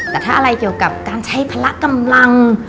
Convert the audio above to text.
แต่ถ้าอะไรเกี่ยวกับการใช้พละกำลัง